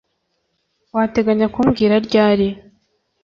Wateganyaga kumbwira ryari